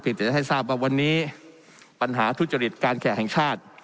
ผิดแต่จะให้ทราบว่าวันนี้ปัญหาทุจริตการแข่งขาด